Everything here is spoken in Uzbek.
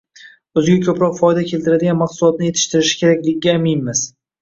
o‘ziga ko‘proq foyda keltiradigan mahsulotni yetishtirishi kerakligiga aminmiz.